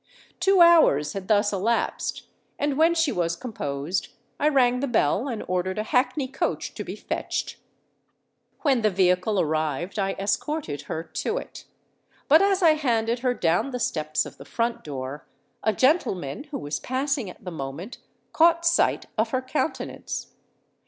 Two hours had thus elapsed; and when she was composed, I rang the bell and ordered a hackney coach to be fetched. When the vehicle arrived, I escorted her to it. But as I handed her down the steps of the front door, a gentleman, who was passing at the moment, caught sight of her countenance.